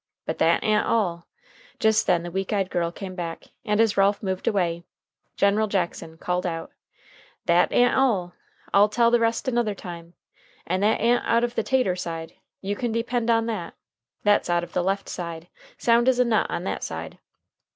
But that a'n't all " Just then the weak eyed girl came back, and, as Ralph moved away, General Jackson called out: "That a'n't all. I'll tell the rest another time. And that a'n't out of the tater side, you can depend on that. That's out of the left side. Sound as a nut on that side!"